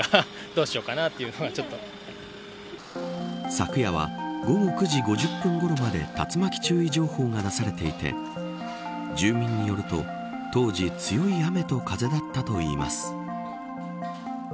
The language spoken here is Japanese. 昨夜は午後９時５０分ごろまで竜巻注意情報が出されていて住民によると当時強い雨と風だったといいます。